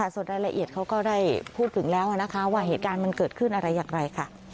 ส่วนรายละเอียดเขาก็ได้พูดถึงแล้วนะคะว่าเหตุการณ์มันเกิดขึ้นอะไรอย่างไรค่ะ